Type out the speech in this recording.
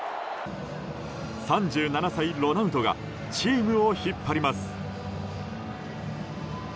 ３７歳、ロナウドがチームを引っ張ります。